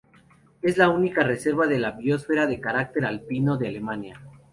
Es la única reserva de la biosfera de carácter alpino de Alemania.